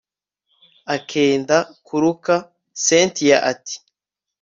akenda kuruka cyntia ati